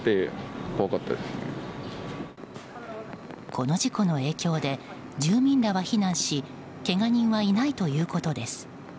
この事故の影響で住民らは避難しけが人はいないということです。